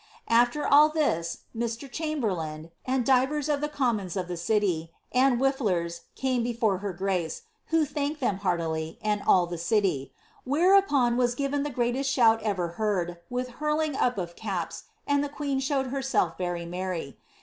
AAer •11 this, Mr. Chamberlain, and divers of the commoners of the city, and the wifflers, came before her grace, who thanked them heartily, and all the city; whereupon was given the greatest shout ever heard, with hurling up of caps, and the queen showed herself very merry.